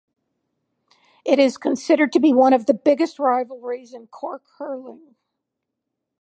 It is considered to be one of the biggest rivalries in Cork hurling.